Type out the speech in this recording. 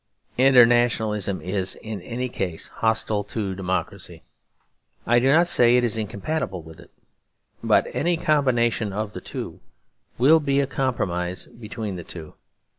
Internationalism is in any case hostile to democracy. I do not say it is incompatible with it; but any combination of the two will be a compromise between the two.